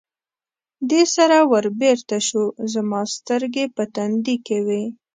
دې سره ور بېرته شو، زما سترګې په تندي کې وې.